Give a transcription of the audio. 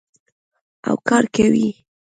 او کار کوي.